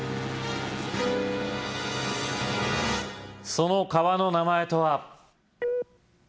その川の名前とは？